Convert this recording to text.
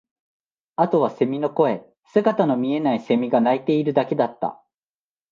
あとは蝉の声、姿の見えない蝉が鳴いているだけだった